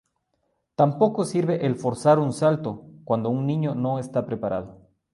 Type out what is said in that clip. Tampoco sirve el forzar un salto cuando un niño no está preparado.